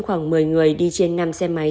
khoảng một mươi người đi trên năm xe máy